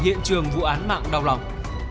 hiện trường vụ án mạng đau lòng